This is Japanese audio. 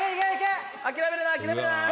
「諦めるな諦めるな！」